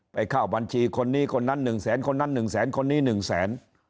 ไปเข้าบัญชีคนนี้คนนั้นหนึ่งแสนคนนั้นหนึ่งแสนคนนี้หนึ่งแสน